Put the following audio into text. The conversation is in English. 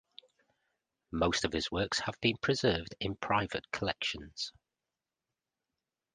Most of his works have been preserved in private collections.